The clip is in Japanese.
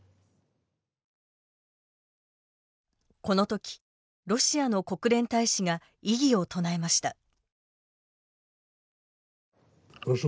このとき、ロシアの国連大使が異議を唱えました。